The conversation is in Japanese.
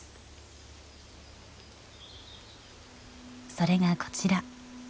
それがこちら。